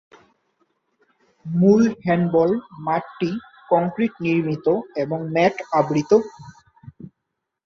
মূল হ্যান্ডবল মাঠটি কংক্রিট নির্মিত এবং ম্যাট আবৃত।